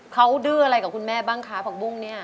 เขาดื้ออะไรกับคุณแม่บ้างคะผักบุ้งเนี่ย